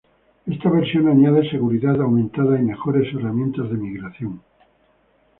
Esta versión añade seguridad aumentada y mejores herramientas de migración.